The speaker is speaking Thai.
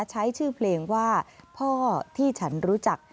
ใช้ชื่อเพลงว่าพ่อที่ฉันรู้จัก